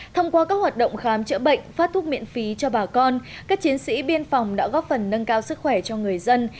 thông qua các hoạt động khám chữa bệnh phát thuốc miễn phí cho bà con các chiến sĩ biên phòng đã góp phần nâng cao sức khỏe cho người dân